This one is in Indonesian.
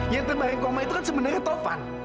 yang terbaik koma itu kan sebenarnya tovan